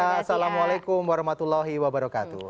assalamualaikum warahmatullahi wabarakatuh